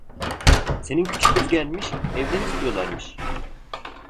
Senin küçük kız gelmiş, evden istiyorlarmış!